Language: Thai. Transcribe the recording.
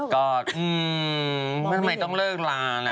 ก็อืมไม่มายก็ต้องเลิกลาเลย